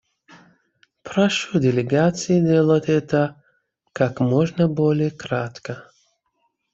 Прошу делегации делать это как можно более кратко.